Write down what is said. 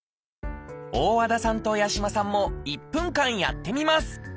大和田さんと八嶋さんも１分間やってみます